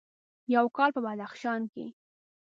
یو کال په بدخشان کې: